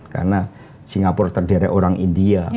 karena singapura terdiri dari orang india